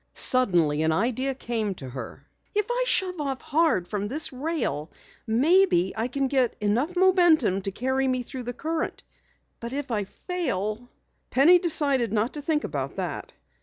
Suddenly an idea came to her. "If I shove off hard from this rail, maybe I can get enough momentum to carry me through the current! If I fail " Penny decided not to think about that.